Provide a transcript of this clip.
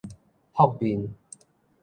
覆面